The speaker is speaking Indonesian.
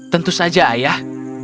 tentu saja ayah